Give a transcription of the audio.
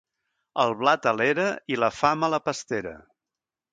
El blat a l'era i la fam a la pastera.